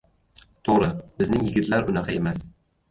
To‘g‘ri, bizning yigitlar unaqa emas: